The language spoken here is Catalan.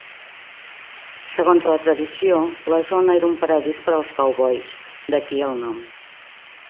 Segons la tradició, la zona era un "paradís" per als cowboys, d'aquí el nom.